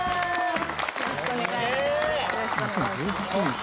「よろしくお願いします」